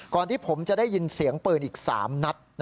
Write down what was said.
ที่ผมจะได้ยินเสียงปืนอีก๓นัด